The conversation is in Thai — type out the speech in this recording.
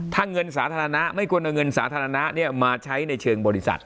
ถ้าเงินสาธารณะไม่ควรเอาเงินสาธารณะมาใช้ในเชิงบริษัท